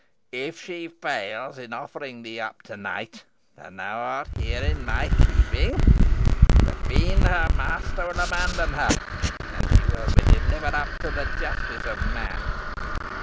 If she fails in offering thee up to night, and thou art here in my keeping, the Fiend, her master, will abandon her, and she will be delivered up to the justice of man."